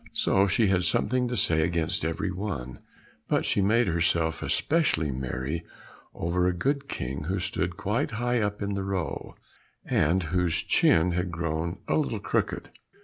So she had something to say against every one, but she made herself especially merry over a good king who stood quite high up in the row, and whose chin had grown a little crooked.